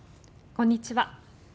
こんにちは。